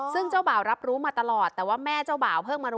ซึ่งเจ้าบ่าวรับรู้มาตลอดแต่ว่าแม่เจ้าบ่าวเพิ่งมารู้